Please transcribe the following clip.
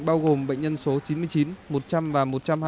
bao gồm bệnh nhân số chín mươi chín một trăm linh và một trăm hai mươi